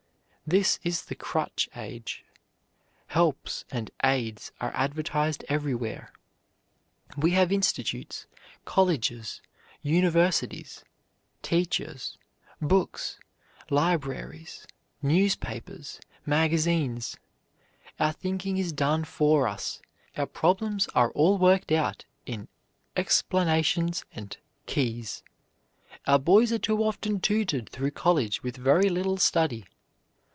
This is the crutch age. "Helps" and "aids" are advertised everywhere. We have institutes, colleges, universities, teachers, books, libraries, newspapers, magazines. Our thinking is done for us. Our problems are all worked out in "explanations" and "keys." Our boys are too often tutored through college with very little study.